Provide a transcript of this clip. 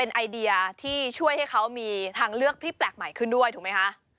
ไอเดียที่ช่วยให้เขามีทางเลือกที่แปลกใหม่ขึ้นด้วยถูกไหมคะ